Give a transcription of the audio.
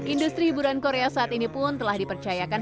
industri hiburan korea saat ini pun telah dipercayakan